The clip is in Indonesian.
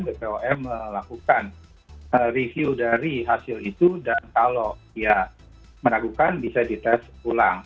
bpom melakukan review dari hasil itu dan kalau dia meragukan bisa dites ulang